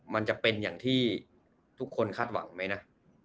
มันจะเป็นอย่างที่ทุกคนคาดหวังไหมนะ